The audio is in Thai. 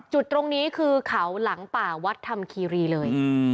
จุดตรงนี้คือเขาหลังป่าวัดธรรมคีรีเลย